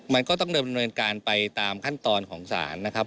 มันก็ต้องเดินดำเนินการไปตามขั้นตอนของศาลนะครับ